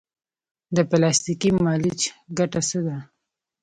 د پلاستیکي ملچ ګټه څه ده؟